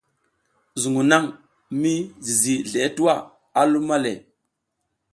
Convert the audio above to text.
Zuƞgu naƞ mi zizi zleʼe tuwa, a luma le.